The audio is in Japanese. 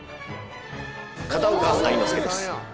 片岡愛之助です